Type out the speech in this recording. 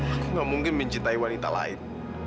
aku gak mungkin mencintai wanita lain